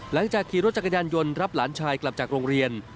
หลังจากขี่รถจักรยานยนต์รับหลานชายกลับจากโรงเรียน